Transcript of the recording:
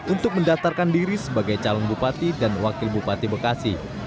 untuk mendaftarkan diri sebagai calon bupati dan wakil bupati bekasi